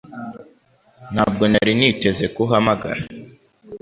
Ntabwo nari niteze ko uhamagara